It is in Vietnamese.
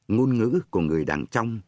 ngôn ngữ của người đằng trong